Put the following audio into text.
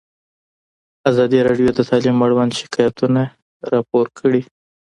ازادي راډیو د تعلیم اړوند شکایتونه راپور کړي.